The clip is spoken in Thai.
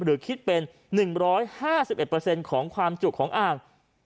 หรือคิดเป็น๑๕๑เปอร์เซ็นต์ของความจุของอ่าง